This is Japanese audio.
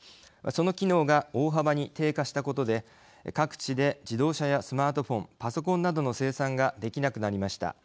その機能が大幅に低下したことで各地で自動車やスマートフォンパソコンなどの生産ができなくなりました。